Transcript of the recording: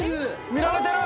見られてる！